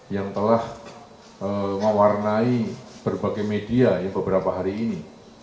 yang telah mewarnai berbagai media beberapa hari ini